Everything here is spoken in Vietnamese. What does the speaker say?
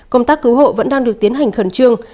công tác cứu hộ vẫn đang được tiến hành khẩn trương